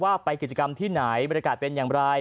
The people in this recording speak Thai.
ว่าไปกิจกรรมที่ไหนบรรยากาศเป็นอย่างไร